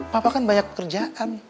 papa kan banyak pekerjaan